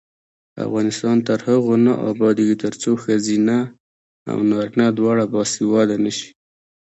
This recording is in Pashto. افغانستان تر هغو نه ابادیږي، ترڅو ښځینه او نارینه دواړه باسواده نشي.